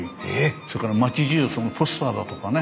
それから町じゅうポスターだとかね